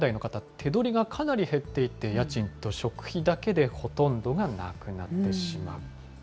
手取りがかなり減っていて、家賃と食費だけでほとんどがなくなってしまう。